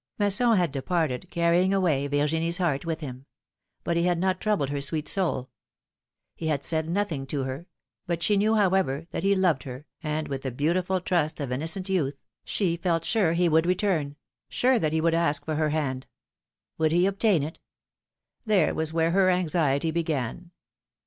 Masson had departed, carrying away Virginie's heart with him ; but he had not troubled her sweet soul. He had said nothing to her ; but she knew, however, that he loved her, and^ with the beautiful trust of innocent youth, philom^:ne's mareiages. 231 she felt sure lie would return — sure that he would ask for lier hand. Would he obtain it? There was where her anxiety began.